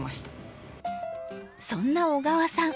そんな小川さん